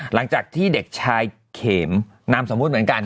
หลังจากที่เด็กชายเข็มนามสมมุติเหมือนกัน